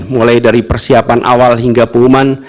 mulai dari persiapan awal hingga pengumuman